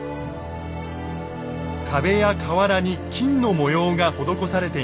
壁や瓦に金の模様が施されています。